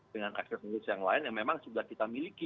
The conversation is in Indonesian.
dengan akses industri yang lain yang memang sudah kita miliki